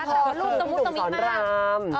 ก็เพราะพี่หนุ่มสอนราม